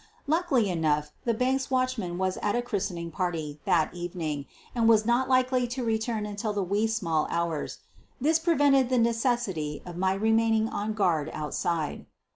Luckily enough the bank's watchman was at a christening party that evening and was not likely to return until the wee small hours. This prevented the necessity of my remain ing on guard outside.